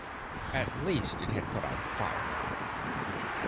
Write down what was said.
_ At least, it had put out the fire.